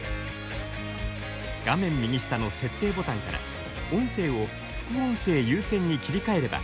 画面右下の設定ボタンから音声を副音声優先に切り替えれば＃